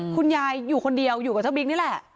คุณยายอยู่คนเดียวอยู่กับเจ้าบิ๊กนี่แหละ